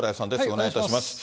お願いいたします。